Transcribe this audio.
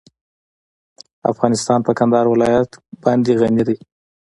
افغانستان په کندهار ولایت باندې غني دی.